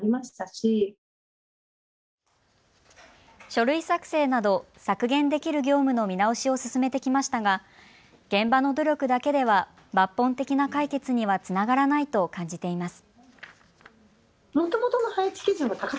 書類作成など削減できる業務の見直しを進めてきましたが現場の努力だけでは抜本的な解決にはつながらないと感じています。